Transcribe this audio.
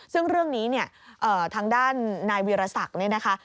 ซึ่งเรื่องนี้เนี่ยทางด้านนายวีรศักดิ์เนี่ยนะคะ